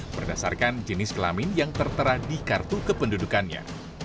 berdasarkan jenis kelamin yang tertera di kartu kependudukannya